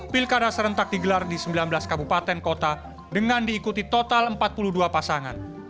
pilkada serentak digelar di sembilan belas kabupaten kota dengan diikuti total empat puluh dua pasangan